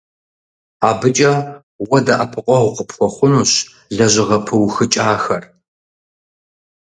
АбыкӀэ уэ дэӀэпыкъуэгъу къыпхуэхъунущ лэжьыгъэ пыухыкӀахэр.